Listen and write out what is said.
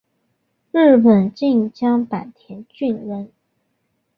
日本近江坂田郡人。